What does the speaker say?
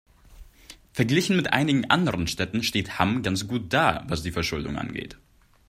Verglichen mit einigen anderen Städten steht Hamm ganz gut da, was die Verschuldung angeht.